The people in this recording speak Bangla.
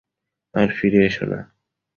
আর ফিরে এসো না।